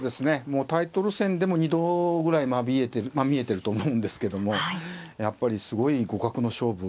もうタイトル戦でも２度ぐらいまみえてると思うんですけどもやっぱりすごい互角の勝負。